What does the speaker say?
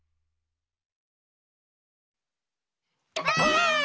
ばあっ！